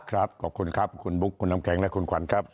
ขอบคุณครับคุณบุ๊คคุณน้ำแข็งและคุณขวัญครับ